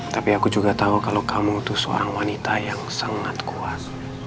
tapi aku juga tahu kalau kamu itu seorang wanita yang sangat kuat